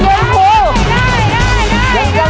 ใจเย็นครู